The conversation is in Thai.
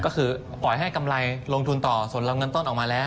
ก็คือปล่อยให้กำไรลงทุนต่อส่วนเราเงินต้นออกมาแล้ว